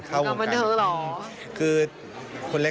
งานบันเทิงเหรอ